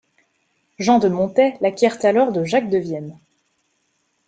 Jean de Montet l'acquiert alors de Jacques de Vienne.